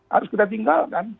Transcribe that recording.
harus kita tinggalkan